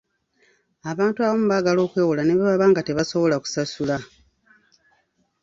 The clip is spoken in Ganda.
Abantu abamu baagala okwewola ne bwe baba nga tebasobola kusasula.